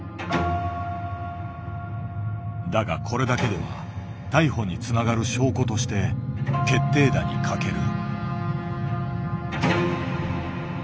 だがこれだけでは逮捕につながる証拠として決定打に欠ける。